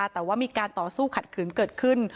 แต่ว่ามีการต่อสู้ขัดขืนเกิดขึ้น